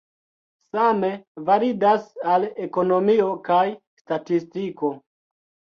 Same validas al ekonomio kaj statistiko.